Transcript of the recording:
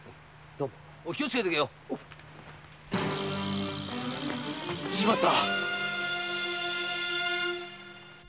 気をつけて行けよ。しまった！